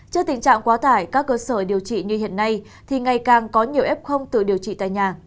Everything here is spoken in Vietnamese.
trên tình trạng quá tải các cơ sở điều trị như hiện nay thì ngày càng có nhiều ép không từ điều trị tại nhà